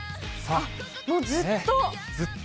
もうずっと。